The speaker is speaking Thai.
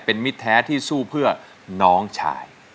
เป็นมิตรแท้ที่สู้เพื่อน้องชาย